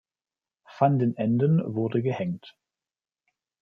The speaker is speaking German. Van den Enden wurde gehängt.